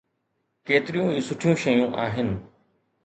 ڪيتريون ئي سٺيون شيون آهن.